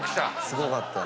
すごかった。